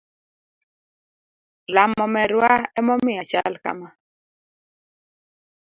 Lamo merwa emomiyo achal kama